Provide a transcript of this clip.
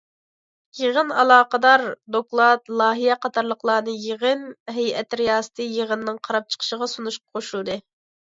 يىغىن ئالاقىدار دوكلات، لايىھە قاتارلىقلارنى يىغىن ھەيئەت رىياسىتى يىغىنىنىڭ قاراپ چىقىشىغا سۇنۇشقا قوشۇلدى.